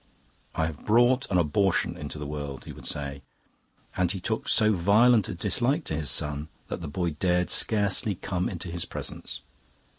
'I have brought an abortion into the world,' he would say, and he took so violent a dislike to his son that the boy dared scarcely come into his presence.